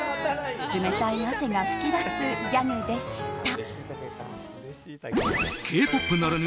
冷たい汗が噴き出すギャグでした。